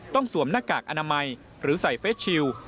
สวมหน้ากากอนามัยหรือใส่เฟสชิล